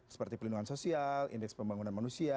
seperti pelindungan sosial indeks pembangunan manusia